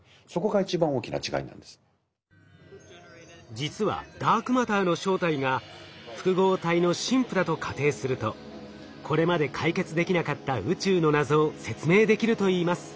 実はダークマターの正体が複合体のＳＩＭＰだと仮定するとこれまで解決できなかった宇宙の謎を説明できるといいます。